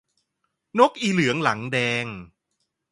นกอีเสือหลังแดง